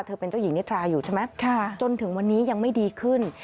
เป็นเจ้าหญิงนิทราอยู่ใช่ไหมจนถึงวันนี้ยังไม่ดีขึ้น